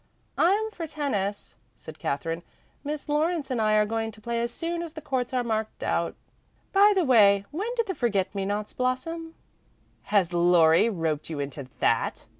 "I'm for tennis," said Katherine. "Miss Lawrence and I are going to play as soon as the courts are marked out. By the way, when do the forget me nots blossom?" "Has Laurie roped you into that?"